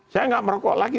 saya gak merokok lagi